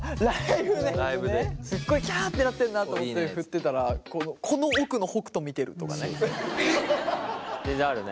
すっごい「キャ！」ってなってんなと思って振ってたらこの奥の北斗見てるとかね。